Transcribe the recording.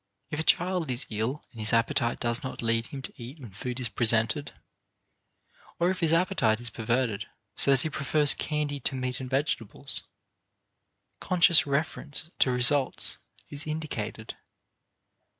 If a child is ill and his appetite does not lead him to eat when food is presented, or if his appetite is perverted so that he prefers candy to meat and vegetables, conscious reference to results is indicated.